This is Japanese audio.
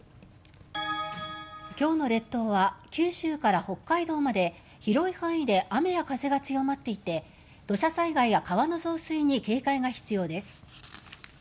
今日の列島は九州から北海道まで広い範囲で雨や風が強まっていて土砂災害や川の増水に警戒が必要です。